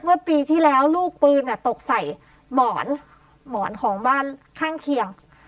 เมื่อปีที่แล้วลูกปืนตกใส่หมอนหมอนของบ้านข้างเคียง